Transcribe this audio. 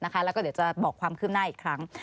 แล้วก็เดี๋ยวจะบอกความคืบหน้าอีกครั้ง